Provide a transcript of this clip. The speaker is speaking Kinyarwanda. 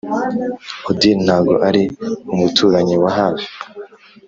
odile, ntago ari umuturanyi wa hafi, .